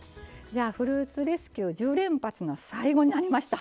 「フルーツレスキュー１０連発」の最後になりました。